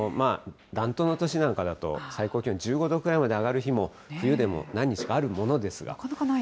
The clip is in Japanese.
暖冬の年なんかだと、最高気温１５度くらいまで上がる日も、冬でも何日かあるものですが。